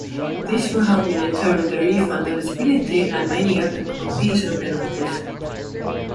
This will help me determine the refund eligibility and any applicable fees or penalties.